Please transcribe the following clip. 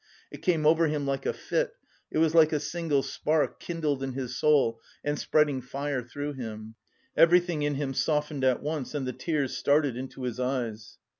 It came over him like a fit; it was like a single spark kindled in his soul and spreading fire through him. Everything in him softened at once and the tears started into his eyes.